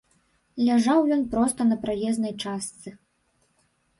Ляжаў ён проста на праезнай частцы.